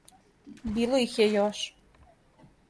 Било их је још.